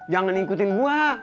jangan ikutin gua